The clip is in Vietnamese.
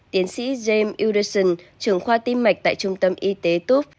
tiến sĩ james udison trưởng khoa tim mạch tại trung tâm y tế tuft